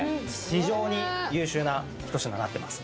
非常に優秀な一品になってます